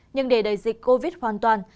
nhưng để đẩy dịch covid hoàn toàn